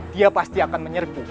dia pasti akan menyerbu